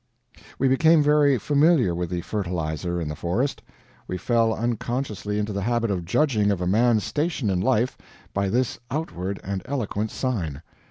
We became very familiar with the fertilizer in the Forest. We fell unconsciously into the habit of judging of a man's station in life by this outward and eloquent sign.